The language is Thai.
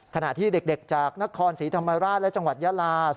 ขณะที่เด็กจากนครศรีธรรมราชและจังหวัดยาลา